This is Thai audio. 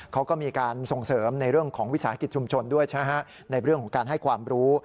เขาก็มีการส่งเสริมในเรื่องของวิสาหกิจชุมชนด้วยใช่ไหมฮะในเรื่องของการให้ความรู้